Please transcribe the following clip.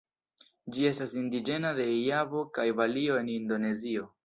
Ĝi estas indiĝena de Javo kaj Balio en Indonezio.